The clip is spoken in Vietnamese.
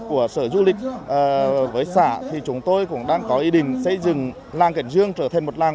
của sở du lịch với xã thì chúng tôi cũng đang có ý định xây dựng làng cảnh dương trở thành một làng